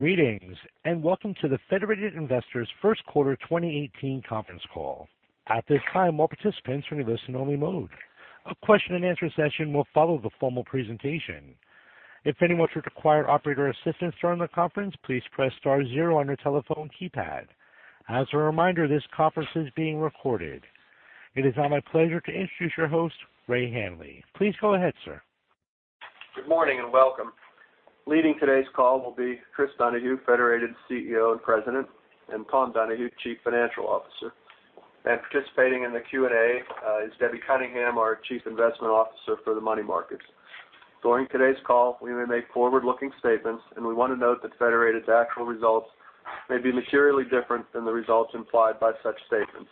Greetings, and welcome to the Federated Investors first quarter 2018 conference call. At this time, all participants are in listen only mode. A question and answer session will follow the formal presentation. If anyone should require operator assistance during the conference, please press star zero on your telephone keypad. As a reminder, this conference is being recorded. It is now my pleasure to introduce your host, Raymond Hanley. Please go ahead, sir. Good morning, welcome. Leading today's call will be Chris Donahue, Federated CEO and President, Tom Donahue, Chief Financial Officer. Participating in the Q&A is Debbie Cunningham, our Chief Investment Officer for the money markets. During today's call, we may make forward-looking statements, and we want to note that Federated's actual results may be materially different than the results implied by such statements.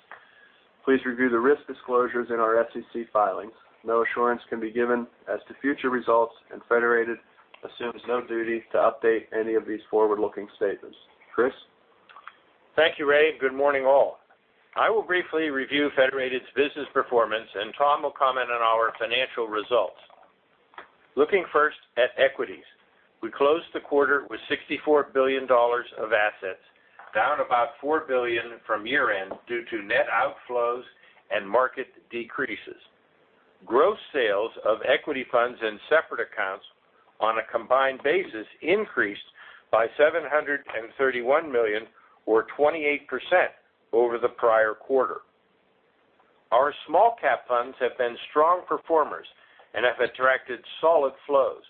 Please review the risk disclosures in our SEC filings. No assurance can be given as to future results, and Federated assumes no duty to update any of these forward-looking statements. Chris? Thank you, Ray, good morning, all. I will briefly review Federated's business performance, and Tom will comment on our financial results. Looking first at equities, we closed the quarter with $64 billion of assets, down about $4 billion from year-end due to net outflows and market decreases. Gross sales of equity funds and separate accounts on a combined basis increased by $731 million or 28% over the prior quarter. Our small cap funds have been strong performers and have attracted solid flows.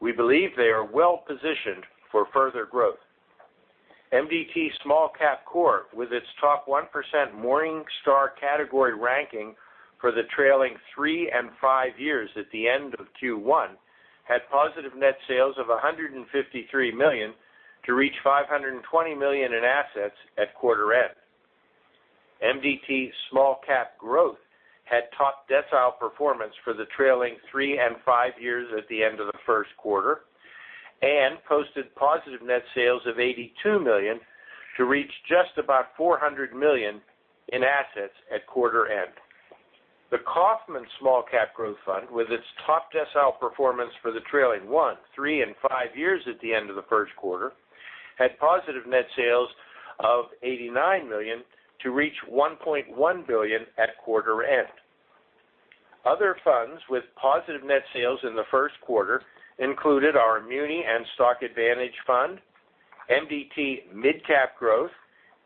We believe they are well-positioned for further growth. MDT Small Cap Core, with its top 1% Morningstar category ranking for the trailing three and five years at the end of Q1, had positive net sales of $153 million to reach $520 million in assets at quarter end. MDT Small Cap Growth had top decile performance for the trailing three and five years at the end of the first quarter and posted positive net sales of $82 million to reach just about $400 million in assets at quarter end. The Kaufmann Small Cap Growth Fund, with its top decile performance for the trailing one, three, and five years at the end of the first quarter, had positive net sales of $89 million to reach $1.1 billion at quarter end. Other funds with positive net sales in the first quarter included our Muni and Stock Advantage Fund, MDT Mid Cap Growth,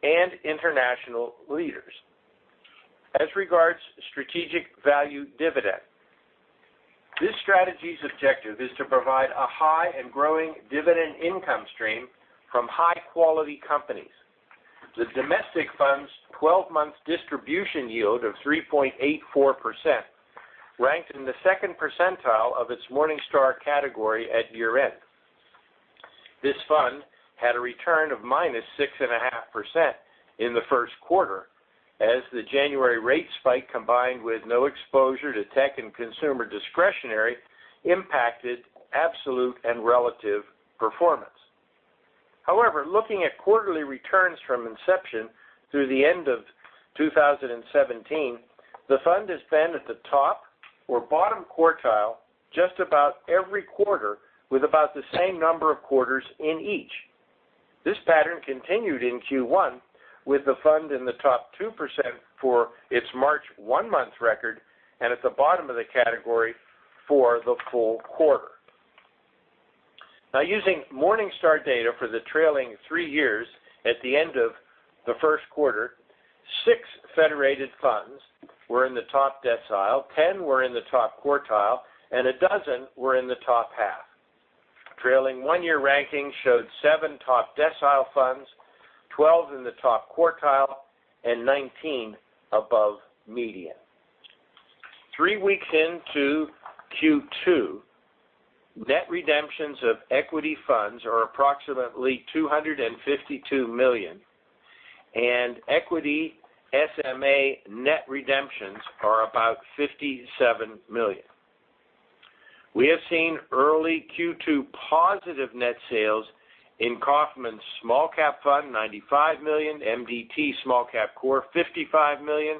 and International Leaders. As regards Strategic Value Dividend, this strategy's objective is to provide a high and growing dividend income stream from high-quality companies. The domestic fund's 12-month distribution yield of 3.84% ranked in the second percentile of its Morningstar category at year-end. This fund had a return of -6.5% in the first quarter as the January rate spike, combined with no exposure to tech and consumer discretionary, impacted absolute and relative performance. However, looking at quarterly returns from inception through the end of 2017, the fund has been at the top or bottom quartile just about every quarter with about the same number of quarters in each. This pattern continued in Q1 with the fund in the top 2% for its March one-month record and at the bottom of the category for the full quarter. Using Morningstar data for the trailing three years at the end of the first quarter, six Federated funds were in the top decile, 10 were in the top quartile, and a dozen were in the top half. Trailing one-year rankings showed seven top decile funds, 12 in the top quartile, and 19 above median. Three weeks into Q2, net redemptions of equity funds are approximately $252 million, and equity SMA net redemptions are about $57 million. We have seen early Q2 positive net sales in Kaufmann Small Cap Fund $95 million, MDT Small Cap Core $55 million,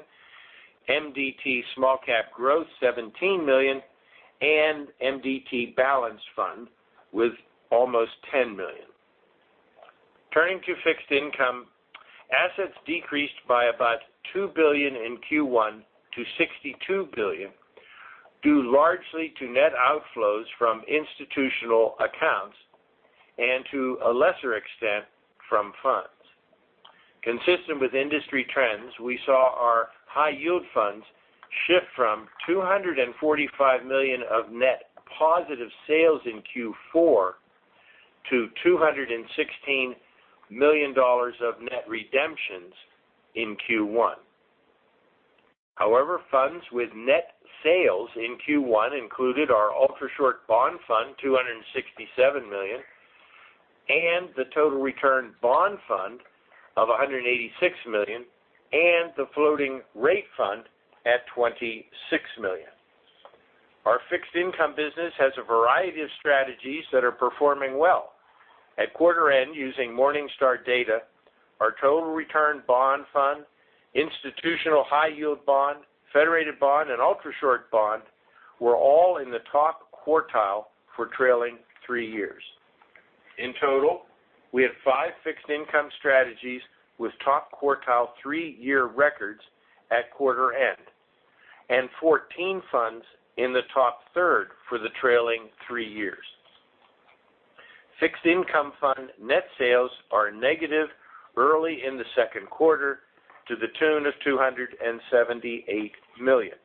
MDT Small Cap Growth $17 million, and MDT Balanced Fund with almost $10 million. Turning to fixed income, assets decreased by about $2 billion in Q1 to $62 billion, due largely to net outflows from institutional accounts and to a lesser extent, from funds. Consistent with industry trends, we saw our high-yield funds shift from $245 million of net positive sales in Q4 to $216 million of net redemptions in Q1. However, funds with net sales in Q1 included our Ultrashort Bond Fund, $267 million, and the Total Return Bond Fund of $186 million, and the Floating Rate Fund at $26 million. Our fixed-income business has a variety of strategies that are performing well. At quarter end, using Morningstar data, our Total Return Bond Fund, Institutional High Yield Bond, Federated Bond, and Ultrashort Bond were all in the top quartile for trailing three years. In total, we had five fixed income strategies with top quartile three-year records at quarter end, and 14 funds in the top third for the trailing three years. Fixed income fund net sales are negative early in the second quarter to the tune of $278 million.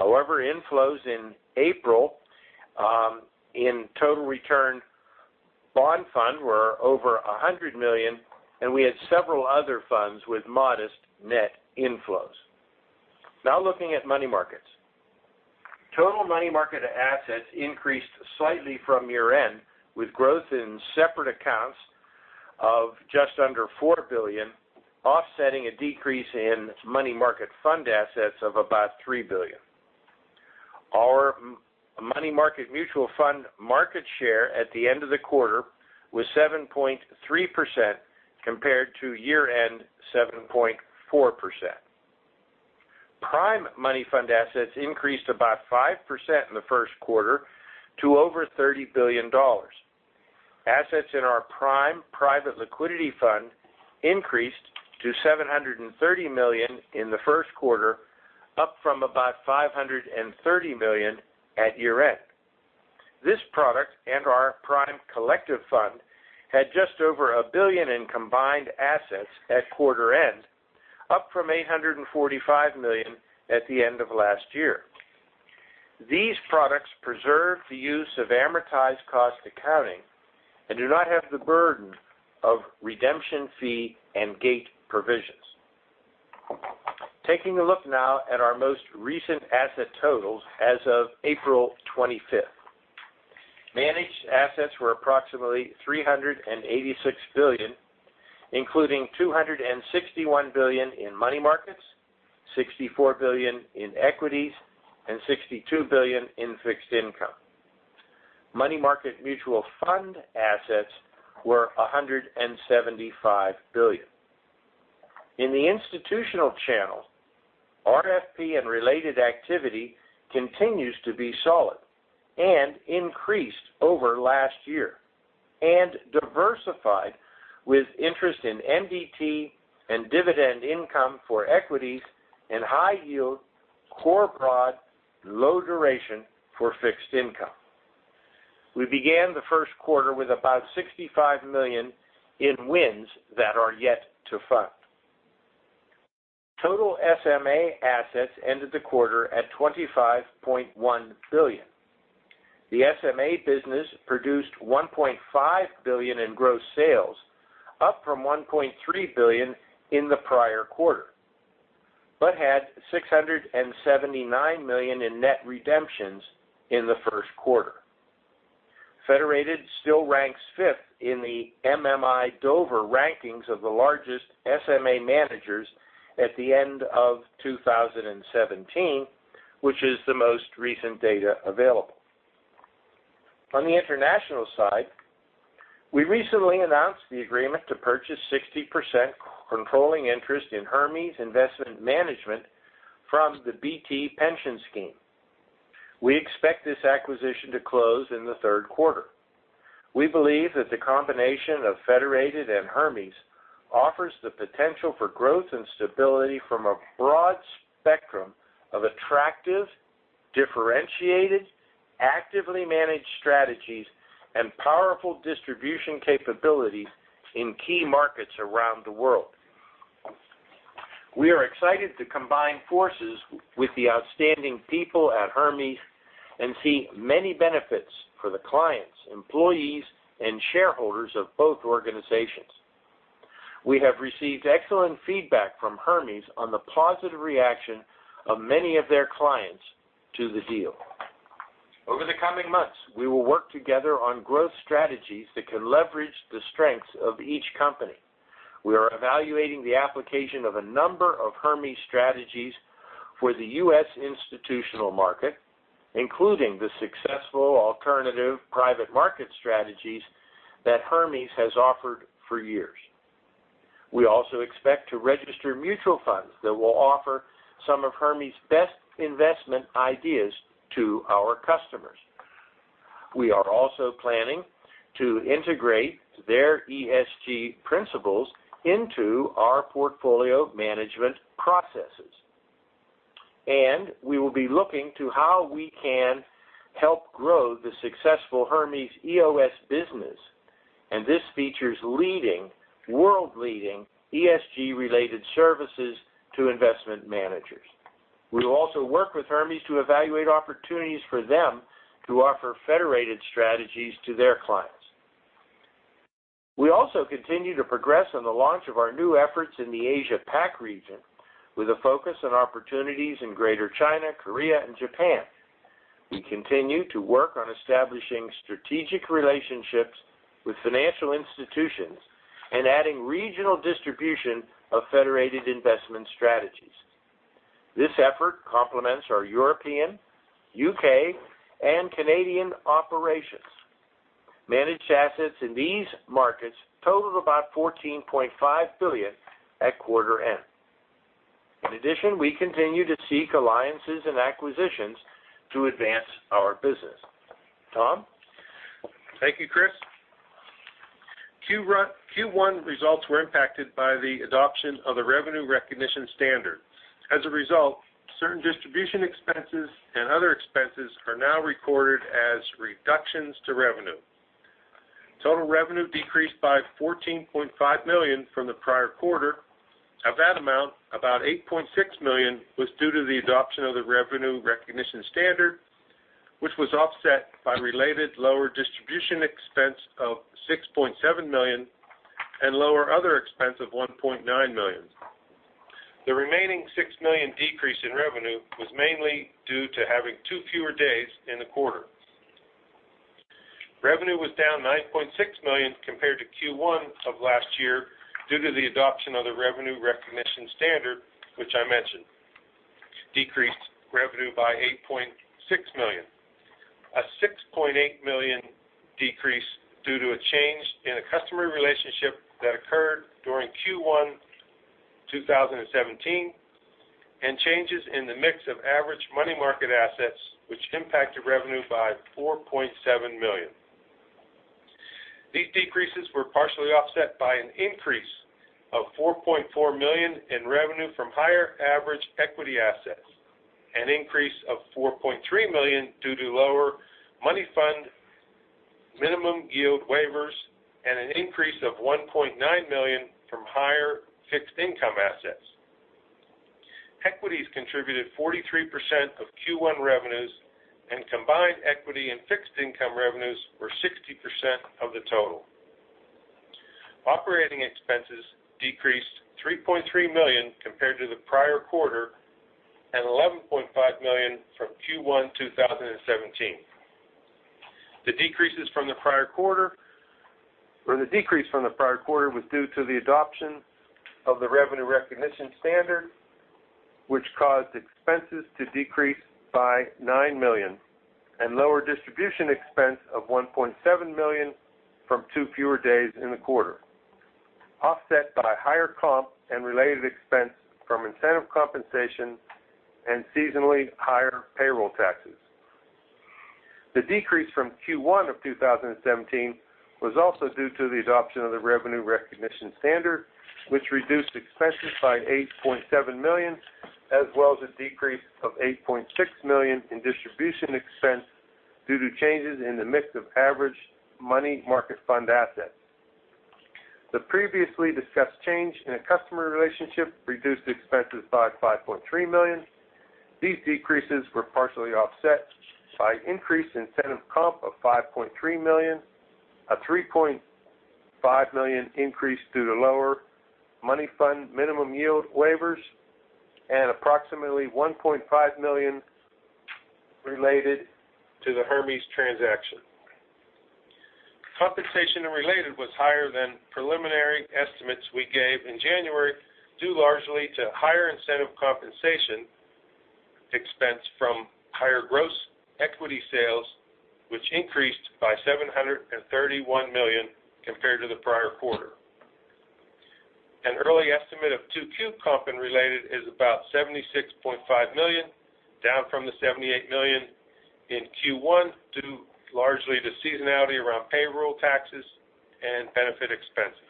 Inflows in April in Total Return Bond Fund were over $100 million, and we had several other funds with modest net inflows. Looking at money markets. Total money market assets increased slightly from year-end, with growth in separate accounts of just under $4 billion, offsetting a decrease in money market fund assets of about $3 billion. Our money market mutual fund market share at the end of the quarter was 7.3%, compared to year-end 7.4%. Prime money fund assets increased about 5% in the first quarter to over $30 billion. Assets in our Prime Private Liquidity Fund increased to $730 million in the first quarter, up from about $530 million at year-end. This product and our Prime Collective Fund had just over $1 billion in combined assets at quarter end, up from $845 million at the end of last year. These products preserve the use of amortized cost accounting and do not have the burden of redemption fee and gate provisions. Taking a look now at our most recent asset totals as of April 25th. Managed assets were approximately $386 billion, including $261 billion in money markets, $64 billion in equities, and $62 billion in fixed income. Money market mutual fund assets were $175 billion. In the institutional channel, RFP and related activity continues to be solid and increased over last year, and diversified with interest in MDT and dividend income for equities and high yield, core bond, low duration for fixed income. We began the first quarter with about $65 million in wins that are yet to fund. Total SMA assets ended the quarter at $25.1 billion. The SMA business produced $1.5 billion in gross sales, up from $1.3 billion in the prior quarter, but had $679 million in net redemptions in the first quarter. Federated still ranks fifth in the MMI Dover rankings of the largest SMA managers at the end of 2017, which is the most recent data available. On the international side, we recently announced the agreement to purchase 60% controlling interest in Hermes Investment Management from the BT Pension Scheme. We expect this acquisition to close in the third quarter. We believe that the combination of Federated and Hermes offers the potential for growth and stability from a broad spectrum of attractive, differentiated, actively managed strategies and powerful distribution capabilities in key markets around the world. We are excited to combine forces with the outstanding people at Hermes and see many benefits for the clients, employees, and shareholders of both organizations. We have received excellent feedback from Hermes on the positive reaction of many of their clients to the deal. Over the coming months, we will work together on growth strategies that can leverage the strengths of each company. We are evaluating the application of a number of Hermes strategies for the U.S. institutional market, including the successful alternative private market strategies that Hermes has offered for years. We also expect to register mutual funds that will offer some of Hermes' best investment ideas to our customers. We are also planning to integrate their ESG principles into our portfolio management processes. We will be looking to how we can help grow the successful Hermes EOS business. This features leading, world-leading ESG-related services to investment managers. We will also work with Hermes to evaluate opportunities for them to offer Federated strategies to their clients. We also continue to progress on the launch of our new efforts in the Asia Pac region with a focus on opportunities in Greater China, Korea, and Japan. We continue to work on establishing strategic relationships with financial institutions and adding regional distribution of Federated investment strategies. This effort complements our European, U.K., and Canadian operations. Managed assets in these markets totaled about $14.5 billion at quarter end. In addition, we continue to seek alliances and acquisitions to advance our business. Tom? Thank you, Chris. Q1 results were impacted by the adoption of the revenue recognition standard. As a result, certain distribution expenses and other expenses are now recorded as reductions to revenue. Total revenue decreased by $14.5 million from the prior quarter. Of that amount, about $8.6 million was due to the adoption of the revenue recognition standard, which was offset by related lower distribution expense of $6.7 million and lower other expense of $1.9 million. The remaining $6 million decrease in revenue was mainly due to having two fewer days in the quarter. Revenue was down $9.6 million compared to Q1 of last year due to the adoption of the revenue recognition standard, which I mentioned. Decreased revenue by $8.6 million. A $6.8 million decrease due to a change in a customer relationship that occurred during Q1 2017, and changes in the mix of average money market assets, which impacted revenue by $4.7 million. These decreases were partially offset by an increase of $4.4 million in revenue from higher average equity assets, an increase of $4.3 million due to lower money fund minimum yield waivers, and an increase of $1.9 million from higher fixed income assets. Equities contributed 43% of Q1 revenues, and combined equity and fixed income revenues were 60% of the total. Operating expenses decreased $3.3 million compared to the prior quarter, and $11.5 million from Q1 2017. The decrease from the prior quarter was due to the adoption of the revenue recognition standard, which caused expenses to decrease by $9 million and lower distribution expense of $1.7 million from two fewer days in the quarter, offset by higher comp and related expense from incentive compensation and seasonally higher payroll taxes. The decrease from Q1 of 2017 was also due to the adoption of the revenue recognition standard, which reduced expenses by $8.7 million, as well as a decrease of $8.6 million in distribution expense due to changes in the mix of average money market fund assets. The previously discussed change in a customer relationship reduced expenses by $5.3 million. These decreases were partially offset by increased incentive comp of $5.3 million, a $3.5 million increase due to lower money fund minimum yield waivers, and approximately $1.5 million related to the Hermes transaction. Compensation and related was higher than preliminary estimates we gave in January, due largely to higher incentive compensation expense from higher gross equity sales, which increased by $731 million compared to the prior quarter. An early estimate of 2Q comp and related is about $76.5 million, down from the $78 million in Q1, due largely to seasonality around payroll taxes and benefit expenses.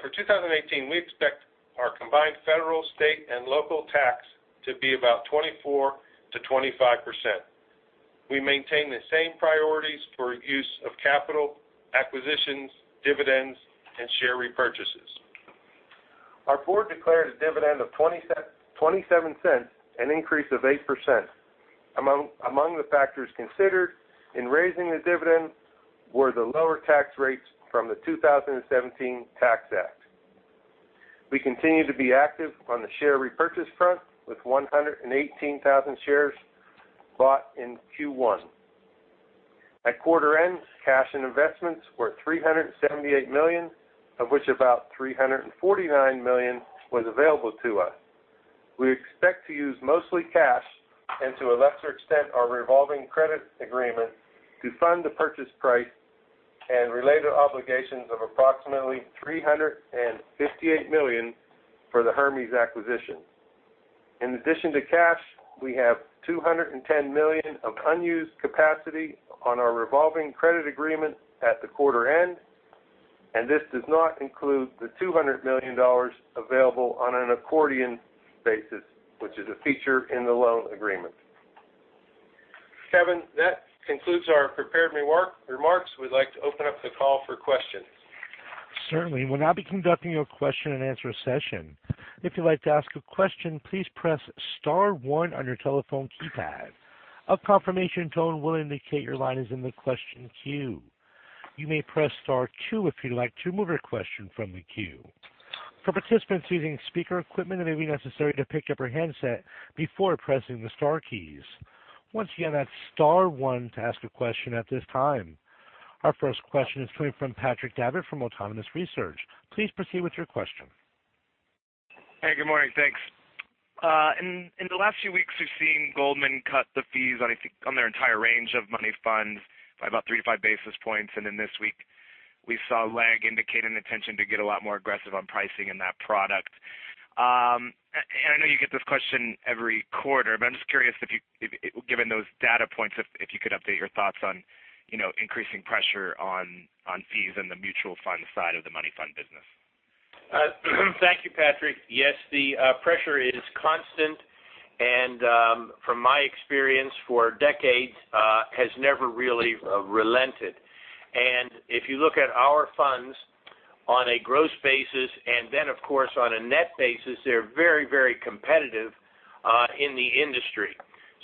For 2018, we expect our combined federal, state, and local tax to be about 24%-25%. We maintain the same priorities for use of capital, acquisitions, dividends, and share repurchases. Our board declared a dividend of $0.27, an increase of 8%. Among the factors considered in raising the dividend were the lower tax rates from the 2017 Tax Act. We continue to be active on the share repurchase front, with 118,000 shares bought in Q1. At quarter end, cash and investments were $378 million, of which about $349 million was available to us. We expect to use mostly cash and to a lesser extent, our revolving credit agreement to fund the purchase price and related obligations of approximately $358 million for the Hermes acquisition. In addition to cash, we have $210 million of unused capacity on our revolving credit agreement at the quarter end, and this does not include the $200 million available on an accordion basis, which is a feature in the loan agreement. Kevin, that concludes our prepared remarks. We'd like to open up the call for questions. Certainly. We'll now be conducting a question and answer session. If you'd like to ask a question, please press star one on your telephone keypad. A confirmation tone will indicate your line is in the question queue. You may press star two if you'd like to move your question from the queue. For participants using speaker equipment, it may be necessary to pick up your handset before pressing the star keys. Once again, that's star one to ask a question at this time. Our first question is coming from Patrick Davitt from Autonomous Research. Please proceed with your question. Hey, good morning. Thanks. In the last few weeks, we've seen Goldman cut the fees on their entire range of money funds by about three to five basis points. Then this week we saw Legg indicate an intention to get a lot more aggressive on pricing in that product. I know you get this question every quarter, but I'm just curious, given those data points, if you could update your thoughts on increasing pressure on fees in the mutual fund side of the money fund business. Thank you, Patrick. Yes, the pressure is constant and from my experience for decades, has never really relented. If you look at our funds on a gross basis, then of course on a net basis, they're very competitive in the industry.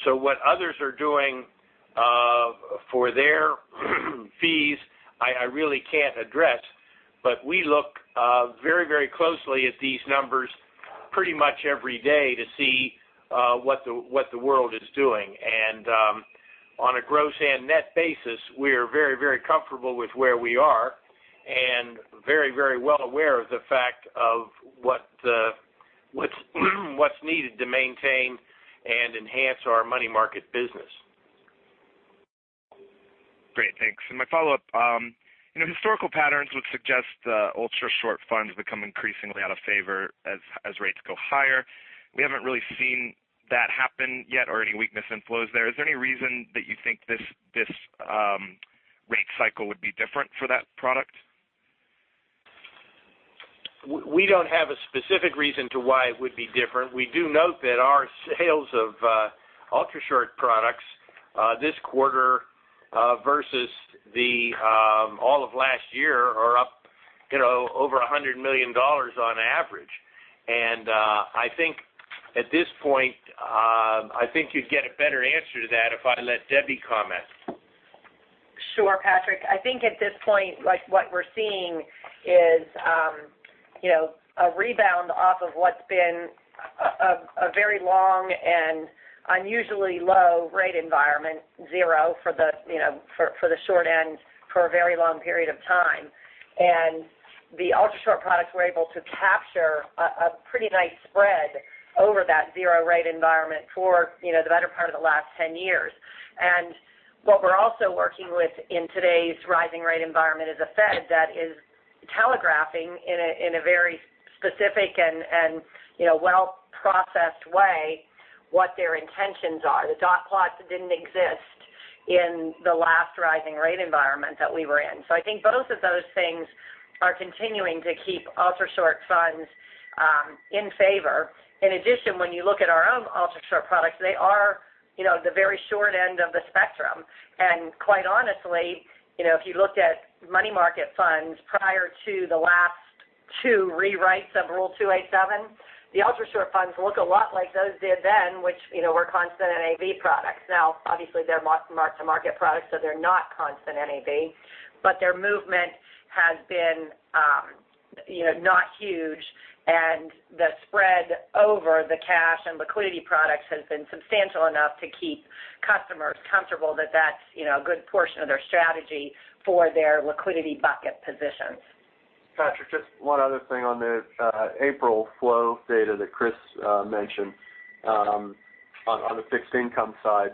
What others are doing for their fees, I really can't address. We look very closely at these numbers pretty much every day to see what the world is doing. On a gross and net basis, we are very comfortable with where we are, and very well aware of the fact of what's needed to maintain and enhance our money market business. Great. Thanks. My follow-up. Historical patterns would suggest the ultra short funds become increasingly out of favor as rates go higher. We haven't really seen that happen yet or any weakness in flows there. Is there any reason that you think this rate cycle would be different for that product? We don't have a specific reason to why it would be different. We do note that our sales of ultrashort products this quarter versus all of last year are up over $100 million on average. I think at this point, I think you'd get a better answer to that if I let Debbie comment. Sure, Patrick. I think at this point, what we're seeing is a rebound off of what's been a very long and unusually low rate environment, zero for the short end for a very long period of time. The ultrashort products were able to capture a pretty nice spread over that zero rate environment for the better part of the last 10 years. What we're also working with in today's rising rate environment is a Fed that is telegraphing in a very specific and well-processed way what their intentions are. The dot plots didn't exist in the last rising rate environment that we were in. I think both of those things are continuing to keep ultrashort funds in favor. In addition, when you look at our own ultrashort products, they are the very short end of the spectrum. Quite honestly, if you looked at money market funds prior to the last two rewrites of Rule 2a-7, the ultrashort funds look a lot like those did then, which were constant NAV products. Now, obviously they're mark-to-market products, so they're not constant NAV, but their movement has been not huge, and the spread over the cash and liquidity products has been substantial enough to keep customers comfortable that that's a good portion of their strategy for their liquidity bucket positions. Patrick, just one other thing on the April flow data that Chris mentioned. On the fixed income side,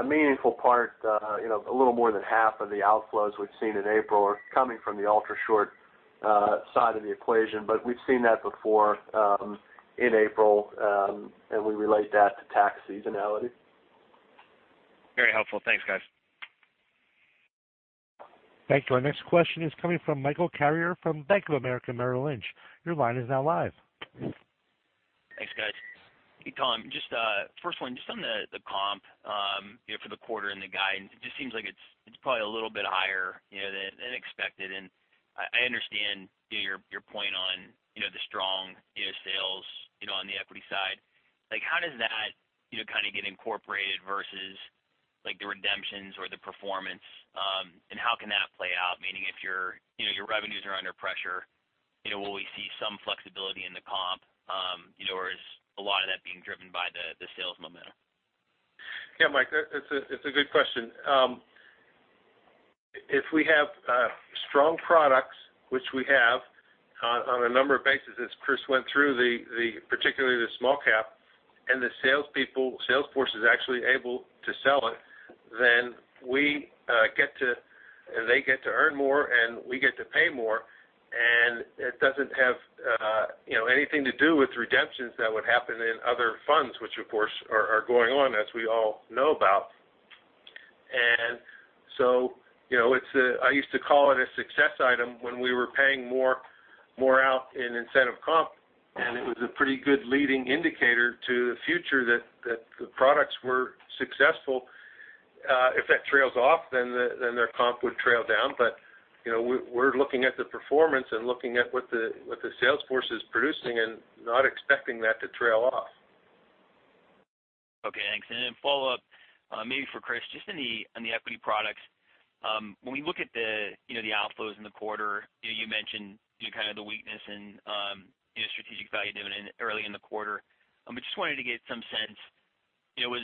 a meaningful part, a little more than half of the outflows we've seen in April are coming from the ultrashort side of the equation. We've seen that before in April, and we relate that to tax seasonality. Very helpful. Thanks, guys. Thank you. Our next question is coming from Michael Carrier from Bank of America Merrill Lynch. Your line is now live. Thanks, guys. Hey, Tom, first one, just on the comp for the quarter and the guidance, it just seems like it's probably a little bit higher than expected. I understand your point on the strong sales on the equity side. How does that get incorporated versus the redemptions or the performance? How can that play out, meaning if your revenues are under pressure, will we see some flexibility in the comp, or is a lot of that being driven by the sales momentum? Yeah, Mike, it's a good question. If we have strong products, which we have on a number of bases as Chris went through, particularly the small cap, the salespeople, sales force is actually able to sell it. They get to earn more. We get to pay more. It doesn't have anything to do with redemptions that would happen in other funds, which of course are going on, as we all know about. I used to call it a success item when we were paying more out in incentive comp. It was a pretty good leading indicator to the future that the products were successful. If that trails off, their comp would trail down. We're looking at the performance and looking at what the sales force is producing and not expecting that to trail off. Okay. Thanks. Follow up, maybe for Chris, just on the equity products. When we look at the outflows in the quarter, you mentioned the weakness in Strategic Value Dividend early in the quarter. I just wanted to get some sense Was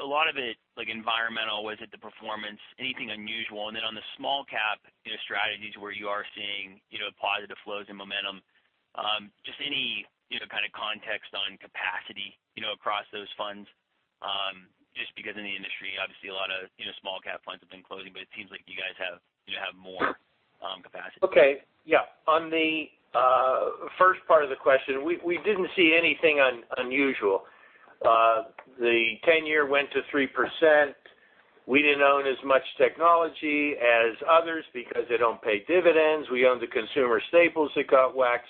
a lot of it environmental? Was it the performance? Anything unusual? On the small cap strategies where you are seeing positive flows and momentum, just any kind of context on capacity across those funds, just because in the industry, obviously a lot of small cap funds have been closing, but it seems like you guys have more capacity. Okay. Yeah. On the first part of the question, we didn't see anything unusual. The 10-year went to 3%. We didn't own as much technology as others because they don't pay dividends. We owned the consumer staples that got whacked,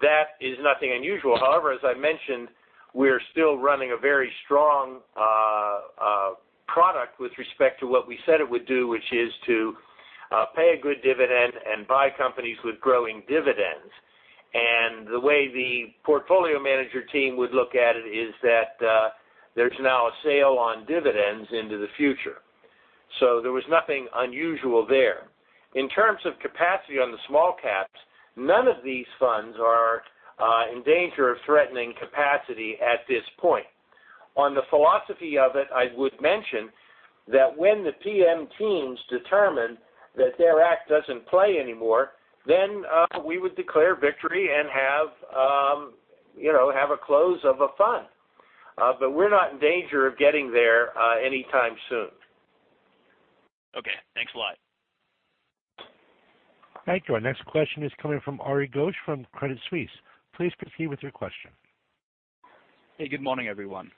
that is nothing unusual. However, as I mentioned, we are still running a very strong product with respect to what we said it would do, which is to pay a good dividend and buy companies with growing dividends. The way the portfolio manager team would look at it is that there's now a sale on dividends into the future. There was nothing unusual there. In terms of capacity on the small caps, none of these funds are in danger of threatening capacity at this point. On the philosophy of it, I would mention that when the PM teams determine that their act doesn't play anymore, then we would declare victory and have a close of a fund. We're not in danger of getting there anytime soon. Okay. Thanks a lot. Thank you. Our next question is coming from Arin Ghosh from Credit Suisse. Please proceed with your question. Hey, good morning, everyone.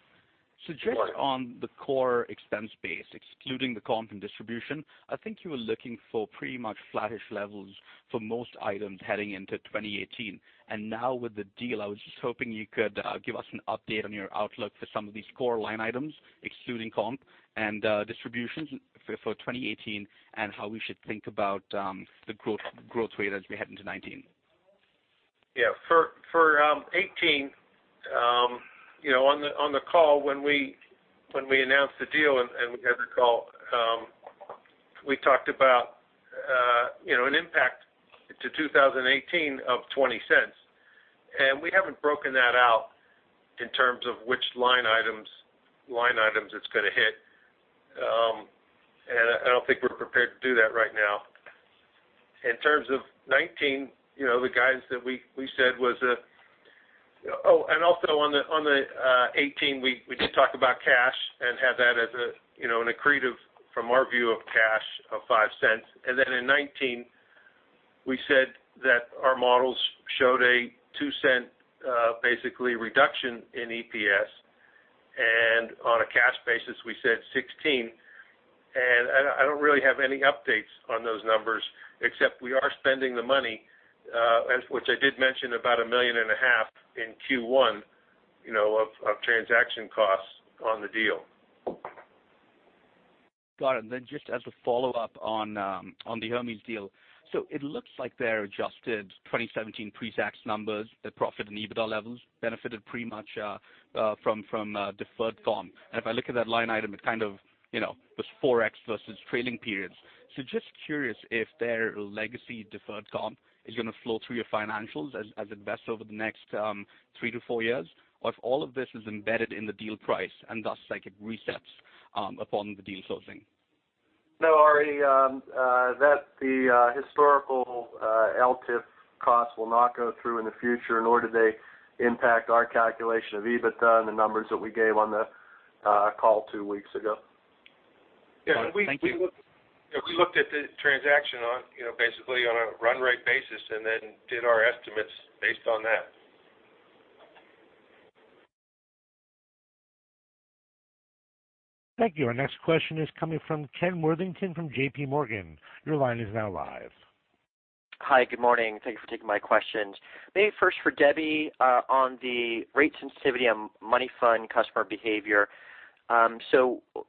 Good morning. Just on the core expense base, excluding the comp and distribution, I think you were looking for pretty much flattish levels for most items heading into 2018. Now with the deal, I was just hoping you could give us an update on your outlook for some of these core line items, excluding comp and distributions for 2018, and how we should think about the growth rate as we head into 2019. Yeah. For 2018, on the call when we announced the deal, as you recall, we talked about an impact to 2018 of $0.20. We haven't broken that out in terms of which line items it's going to hit. I don't think we're prepared to do that right now. In terms of 2019, the guidance that we said was. Also on the 2018, we did talk about cash and have that as an accretive from our view of cash of $0.05. Then in 2019, we said that our models showed a $0.02 basically reduction in EPS. On a cash basis, we said $0.16. I don't really have any updates on those numbers, except we are spending the money, which I did mention about $1.5 million in Q1 of transaction costs on the deal. Got it. Just as a follow-up on the Hermes deal. It looks like their adjusted 2017 pre-tax numbers, their profit and EBITDA levels benefited pretty much from deferred comp. If I look at that line item, it kind of was 4x versus trailing periods. Just curious if their legacy deferred comp is going to flow through your financials as invested over the next 3 to 4 years, or if all of this is embedded in the deal price and thus, it resets upon the deal closing. No, Ari, the historical LTIP costs will not go through in the future, nor do they impact our calculation of EBITDA and the numbers that we gave on the call two weeks ago. Got it. Thank you. We looked at the transaction basically on a run rate basis and then did our estimates based on that. Thank you. Our next question is coming from Ken Worthington from J.P. Morgan. Your line is now live. Hi. Good morning. Thank you for taking my questions. Maybe first for Debbie, on the rate sensitivity on money fund customer behavior.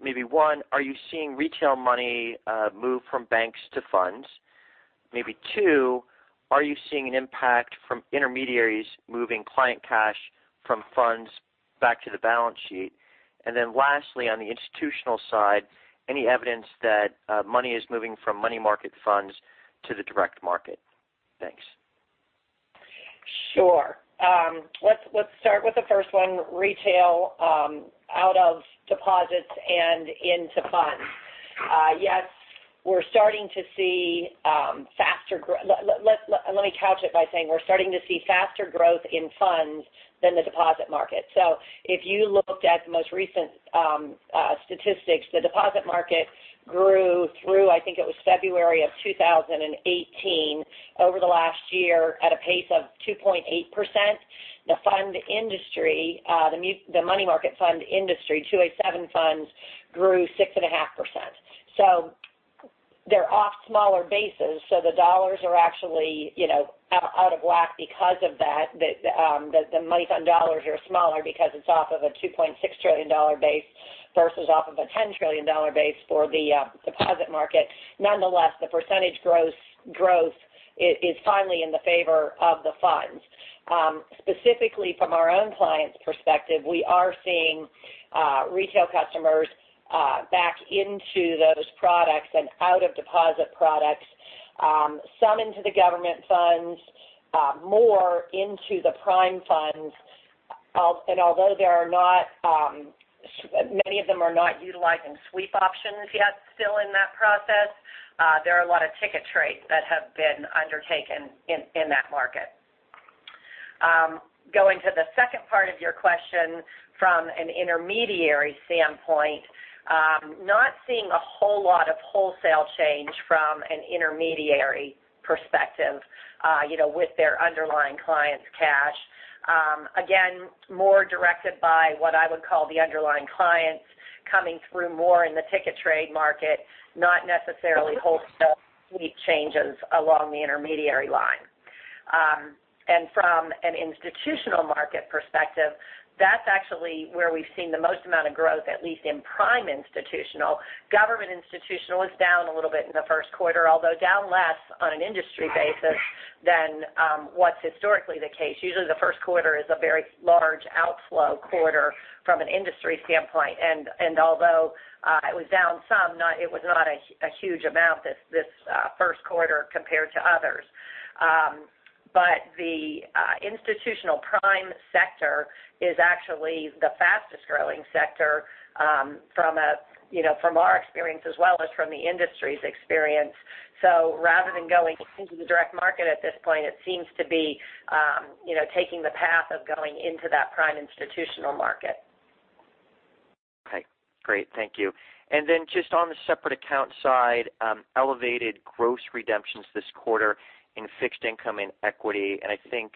Maybe one, are you seeing retail money move from banks to funds? Maybe two, are you seeing an impact from intermediaries moving client cash from funds back to the balance sheet? Lastly, on the institutional side, any evidence that money is moving from money market funds to the direct market? Thanks. Sure. Let's start with the first one, retail out of deposits and into funds. Yes, we're starting to see faster growth in funds than the deposit market. If you looked at the most recent statistics, the deposit market grew through, I think it was February of 2018, over the last year at a pace of 2.8%. The fund industry, the money market fund industry, 287 funds grew 6.5%. They're off smaller bases, so the dollars are actually out of whack because of that. The money fund dollars are smaller because it's off of a $2.6 trillion base versus off of a $10 trillion base for the deposit market. Nonetheless, the percentage growth is finally in the favor of the funds. Specifically from our own clients' perspective, we are seeing retail customers back into those products and out of deposit products. Some into the government funds, more into the prime funds. Although many of them are not utilizing sweep options yet, still in that process, there are a lot of ticket trades that have been undertaken in that market. Going to the second part of your question from an intermediary standpoint, not seeing a whole lot of wholesale change from an intermediary perspective with their underlying clients' cash. Again, more directed by what I would call the underlying clients coming through more in the ticket trade market, not necessarily wholesale sweep changes along the intermediary line. From an institutional market perspective, that's actually where we've seen the most amount of growth, at least in prime institutional. Government institutional was down a little bit in the first quarter, although down less on an industry basis than what's historically the case. Usually, the first quarter is a very large outflow quarter from an industry standpoint. Although it was down some, it was not a huge amount this first quarter compared to others. The institutional prime sector is actually the fastest-growing sector from our experience as well as from the industry's experience. Rather than going into the direct market at this point, it seems to be taking the path of going into that prime institutional market. Okay, great. Thank you. Then just on the separate account side, elevated gross redemptions this quarter in fixed income and equity. I think,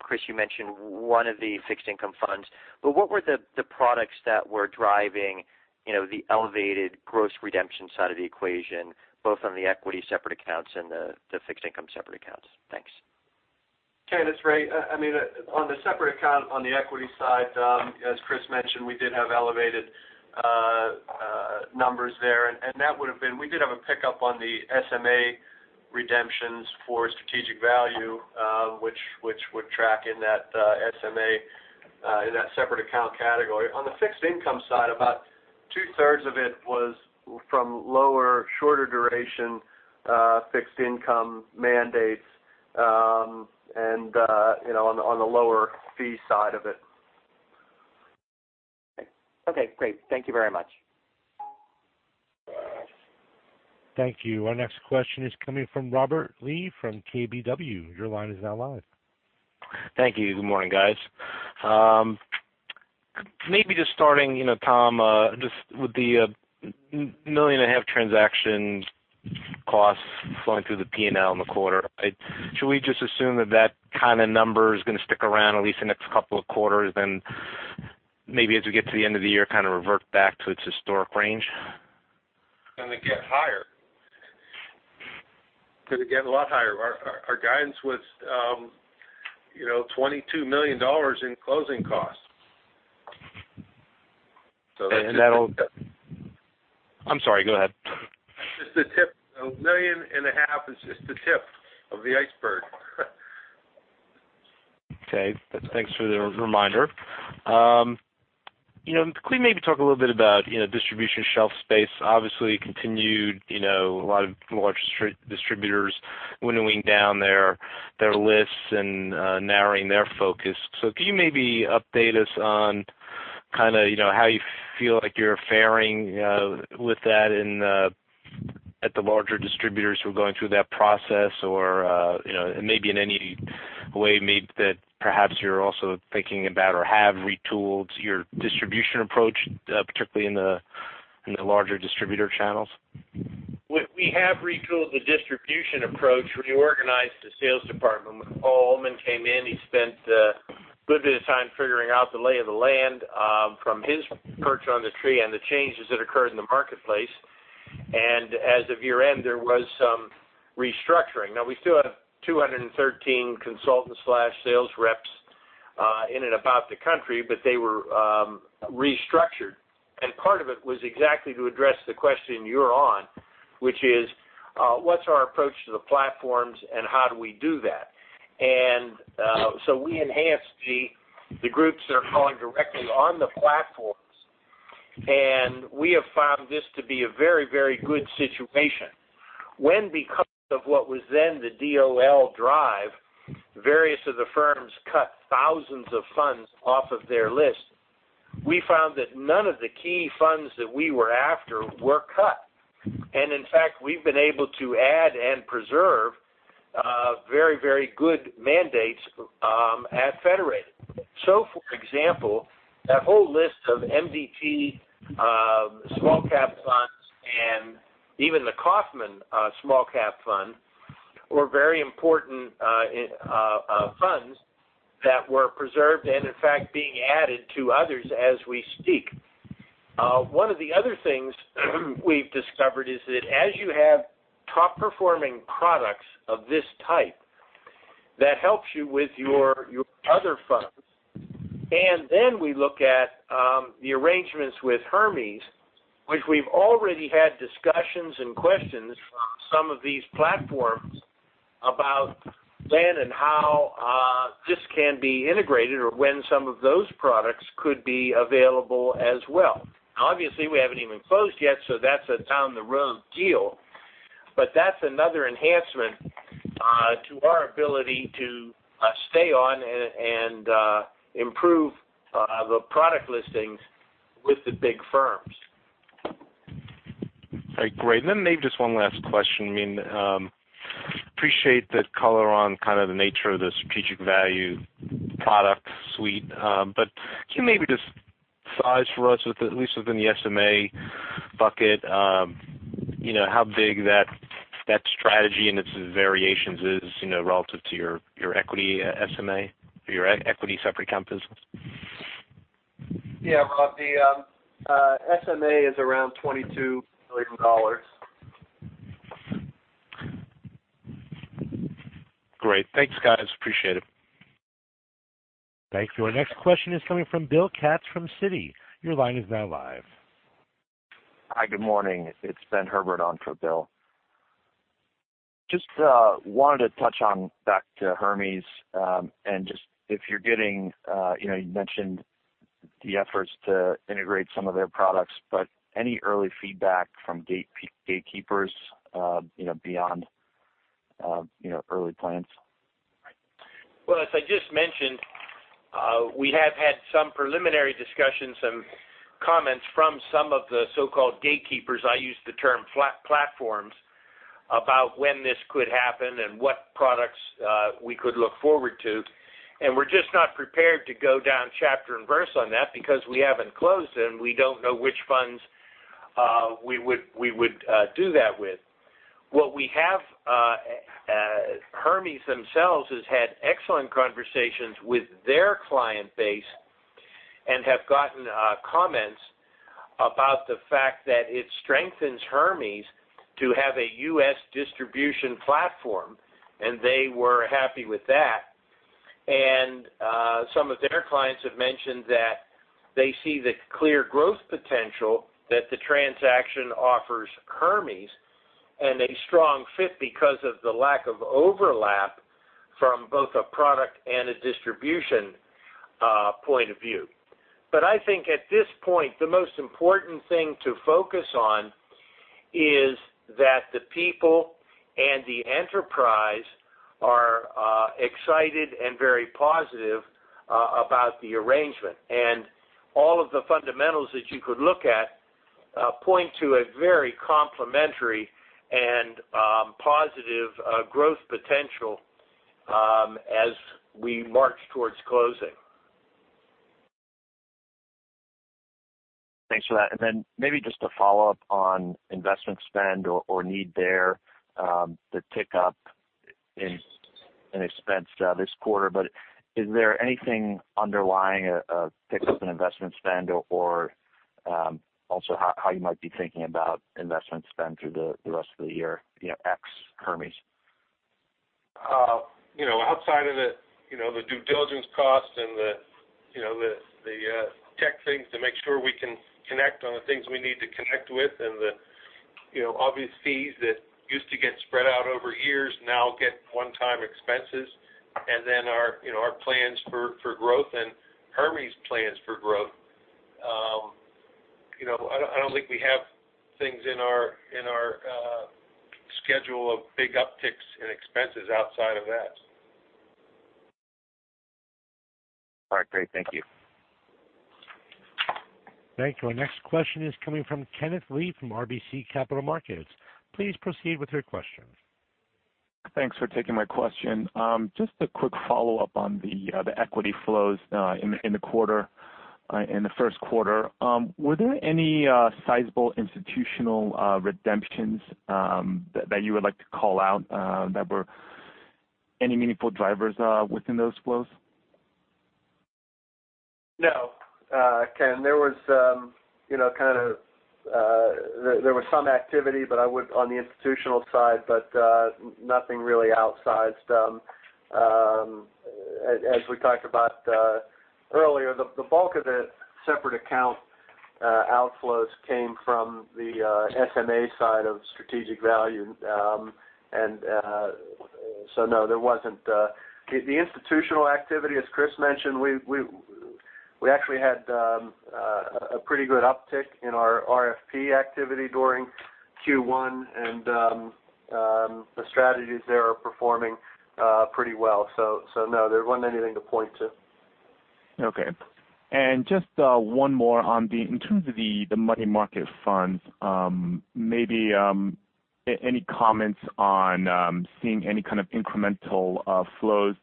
Chris, you mentioned one of the fixed income funds. What were the products that were driving the elevated gross redemption side of the equation, both on the equity separate accounts and the fixed income separate accounts? Thanks. Okay, that's right. On the separate account, on the equity side, as Chris mentioned, we did have elevated numbers there. We did have a pickup on the SMA redemptions for Strategic Value, which would track in that SMA, in that separate account category. On the fixed income side, about two-thirds of it was from lower, shorter duration fixed income mandates on the lower fee side of it. Okay, great. Thank you very much. Thank you. Our next question is coming from Robert Lee from KBW. Your line is now live. Thank you. Good morning, guys. Tom, just with the million and a half transaction costs flowing through the P&L in the quarter. Should we just assume that that kind of number is going to stick around at least the next couple of quarters, maybe as we get to the end of the year, kind of revert back to its historic range? It's going to get higher. Could get a lot higher. Our guidance was $22 million in closing costs. That'll I'm sorry, go ahead. Just the tip. A million and a half is just the tip of the iceberg. Okay, thanks for the reminder. Can we maybe talk a little bit about distribution shelf space? Obviously, continued a lot of large distributors winnowing down their lists and narrowing their focus. Can you maybe update us on how you feel like you're faring with that at the larger distributors who are going through that process? Or maybe in any way, maybe that perhaps you're also thinking about or have retooled your distribution approach, particularly in the larger distributor channels? We have retooled the distribution approach. We reorganized the sales department. When Paul Uhlman came in, he spent a good bit of time figuring out the lay of the land from his perch on the tree, and the changes that occurred in the marketplace. As of year-end, there was some restructuring. Now we still have 213 consultants/sales reps in and about the country, but they were restructured. Part of it was exactly to address the question you're on, which is, what's our approach to the platforms, and how do we do that? We enhanced the groups that are calling directly on the platforms. We have found this to be a very good situation. When because of what was then the DOL drive, various of the firms cut thousands of funds off of their list. We found that none of the key funds that we were after were cut. In fact, we've been able to add and preserve very good mandates at Federated. For example, that whole list of MDT small cap funds, and even the Kaufmann small cap fund, were very important funds that were preserved, and in fact, being added to others as we speak. One of the other things we've discovered is that as you have top-performing products of this type, that helps you with your other funds. We look at the arrangements with Hermes, which we've already had discussions and questions from some of these platforms about when and how this can be integrated or when some of those products could be available as well. Obviously, we haven't even closed yet, so that's a down the road deal. That's another enhancement to our ability to stay on and improve the product listings with the big firms. All right, great. Maybe just one last question. Appreciate the color on kind of the nature of the Strategic Value product suite. Can you maybe just size for us at least within the SMA bucket, how big that strategy and its variations is relative to your equity SMA or your equity separate account business? Yeah. Well, the SMA is around $22 billion. Great. Thanks, guys. Appreciate it. Thank you. Our next question is coming from Bill Katz from Citi. Your line is now live. Hi, good morning. It's Ben Herbert on for Bill. Just wanted to touch on back to Hermes, and just if you're getting, you mentioned the efforts to integrate some of their products, but any early feedback from gatekeepers beyond early plans? Well, as I just mentioned, we have had some preliminary discussions and comments from some of the so-called gatekeepers, I use the term platforms, about when this could happen and what products we could look forward to, and we're just not prepared to go down chapter and verse on that because we haven't closed them. We don't know which funds we would do that with. What we have, Hermes themselves has had excellent conversations with their client base and have gotten comments about the fact that it strengthens Hermes to have a U.S. distribution platform, and they were happy with that. Some of their clients have mentioned that they see the clear growth potential that the transaction offers Hermes and a strong fit because of the lack of overlap from both a product and a distribution point of view. I think at this point, the most important thing to focus on is that the people and the enterprise are excited and very positive about the arrangement. All of the fundamentals that you could look at point to a very complementary and positive growth potential as we march towards closing. Thanks for that. Maybe just a follow-up on investment spend or need there, the tick up in expense this quarter. Is there anything underlying a tick up in investment spend or also how you might be thinking about investment spend through the rest of the year, ex Hermes? Outside of the due diligence costs and the tech things to make sure we can connect on the things we need to connect with and the obvious fees that used to get spread out over years now get one-time expenses. Our plans for growth and Hermes' plans for growth. I don't think we have things in our schedule of big upticks in expenses outside of that. All right, great. Thank you. Thank you. Our next question is coming from Kenneth Lee from RBC Capital Markets. Please proceed with your question. Thanks for taking my question. Just a quick follow-up on the equity flows in the first quarter. Were there any sizable institutional redemptions that you would like to call out that were any meaningful drivers within those flows? No. Ken, there was some activity on the institutional side, but nothing really outsized. As we talked about earlier, the bulk of the separate account outflows came from the SMA side of Strategic Value. No, there wasn't. The institutional activity, as Chris mentioned, we actually had a pretty good uptick in our RFP activity during Q1, and the strategies there are performing pretty well. No, there wasn't anything to point to. Okay. Just one more on the in terms of the money market funds, maybe any comments on seeing any kind of incremental flows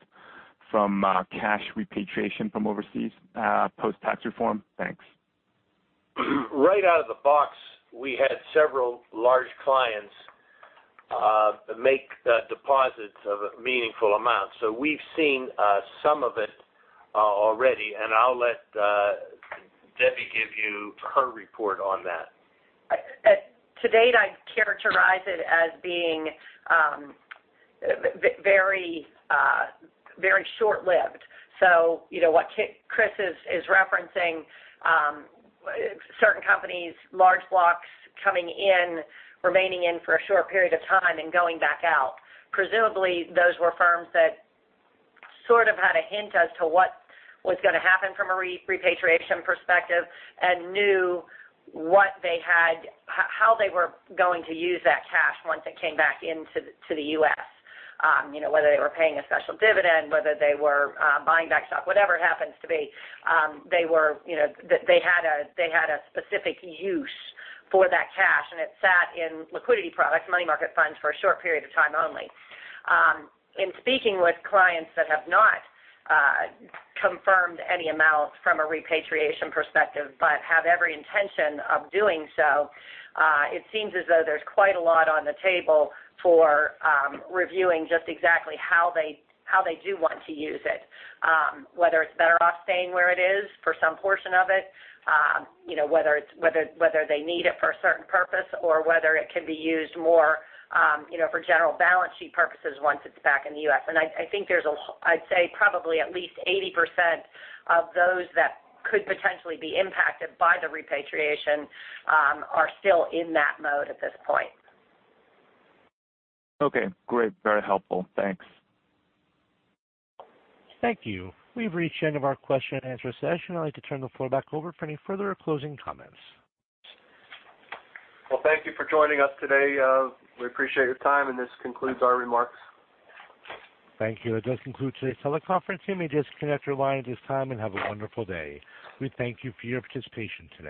from cash repatriation from overseas, post-tax reform? Thanks. Right out of the box, we had several large clients make deposits of a meaningful amount. We've seen some of it already, and I'll let Debbie give you her report on that. To date, I'd characterize it as being very short-lived. What Chris is referencing, certain companies, large blocks coming in, remaining in for a short period of time, and going back out. Presumably, those were firms that sort of had a hint as to what was going to happen from a repatriation perspective and knew how they were going to use that cash once it came back into the U.S. Whether they were paying a special dividend, whether they were buying back stock, whatever it happens to be. They had a specific use for that cash, and it sat in liquidity products, money market funds, for a short period of time only. In speaking with clients that have not confirmed any amounts from a repatriation perspective but have every intention of doing so, it seems as though there's quite a lot on the table for reviewing just exactly how they do want to use it. Whether it's better off staying where it is for some portion of it, whether they need it for a certain purpose or whether it can be used more for general balance sheet purposes once it's back in the U.S. I think there's, I'd say probably at least 80% of those that could potentially be impacted by the repatriation are still in that mode at this point. Okay, great. Very helpful. Thanks. Thank you. We've reached the end of our question-and-answer session. I'd like to turn the floor back over for any further closing comments. Well, thank you for joining us today. We appreciate your time, and this concludes our remarks. Thank you. That does conclude today's teleconference. You may disconnect your line at this time. Have a wonderful day. We thank you for your participation today.